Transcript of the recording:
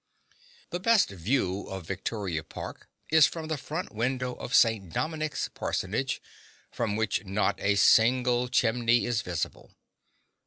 The best view of Victoria Park is from the front window of St. Dominic's Parsonage, from which not a single chimney is visible.